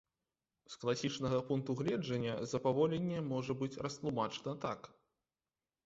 З класічнага пункту гледжання запаволенне можа быць растлумачана так.